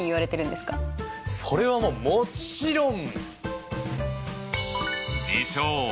それはもちろん！